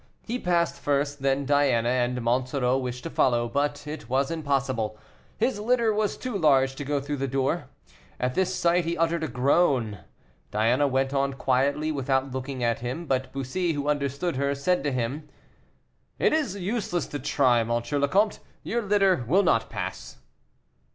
He passed first, then Diana, and Monsoreau wished to follow, but it was impossible. His litter was too large to go through the door. At this sight he uttered a groan. Diana went on quietly, without looking at him, but Bussy, who understood her, said to him: "It is useless to try, M. le Comte, your litter will not pass."